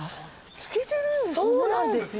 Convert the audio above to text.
透けてるんですね。